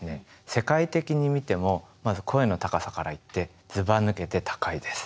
世界的に見ても声の高さからいってずばぬけて高いです。